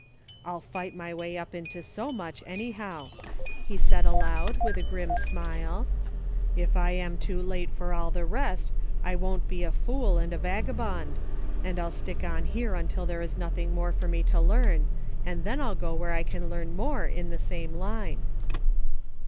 " I'll fight my way up into so much, a \yhow," he said aloud, with a grim smile ;" if I am too late for all the rest, I won't be a fool an'l a vaga bond ; and I'll stick on here until there is nothing more for me to learn, and then I'll g<? whe e I can learn more in the same line."